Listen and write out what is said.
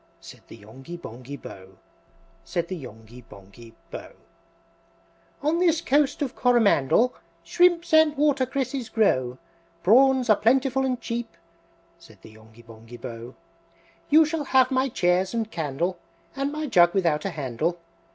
Said the Yonghy Bonghy Bò, Said the Yonghy Bonghy Bò. IV. "On this Coast of Coromandel Shrimps and watercresses grow, Prawns are plentiful and cheap," Said the Yonghy Bonghy Bò. "You shall have my chairs and candle, And my jug without a handle!